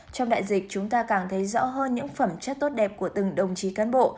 trong đại dịch chúng ta càng thấy rõ hơn những phẩm chất tốt đẹp của từng đồng chí cán bộ